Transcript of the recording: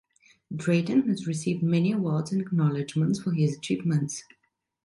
Drayton has received many awards and acknowledgments for his achievements.